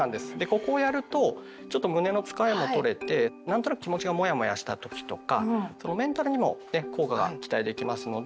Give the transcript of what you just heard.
ここをやるとちょっと胸のつかえも取れて何となく気持ちがモヤモヤした時とかそのメンタルにもね効果が期待できますので。